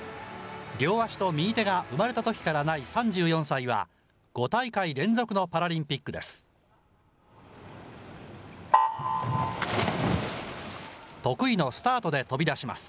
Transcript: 両足と右手が生まれたときからない３４歳は、５大会連続のパラリンピックです。